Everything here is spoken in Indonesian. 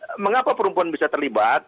dan mengapa perempuan bisa terlibat